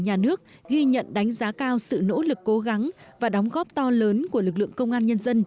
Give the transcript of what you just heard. nhà nước ghi nhận đánh giá cao sự nỗ lực cố gắng và đóng góp to lớn của lực lượng công an nhân dân